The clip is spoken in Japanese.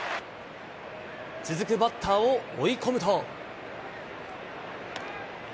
続くバッターを追い込むと。